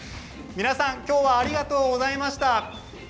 皆さんきょうはありがとうございました。